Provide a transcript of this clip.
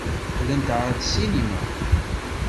Qqlent ɣer ssinima.